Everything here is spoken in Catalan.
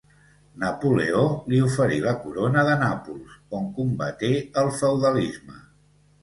Napoleó li oferí la corona de Nàpols, on combaté el feudalisme.